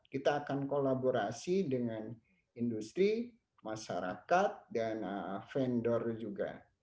kita akan kolaborasi dengan industri masyarakat dan vendor juga